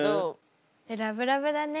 ラブラブだね。